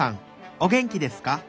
お元気ですか？